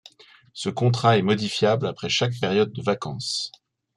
Ce contrat est modifiable après chaque période de vacances.